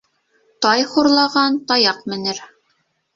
Тай хурлаған таяҡ менер.